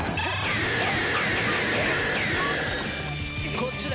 こっちだ。